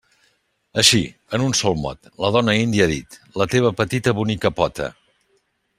Així, en un sol mot, la dona índia ha dit: la teva petita bonica pota.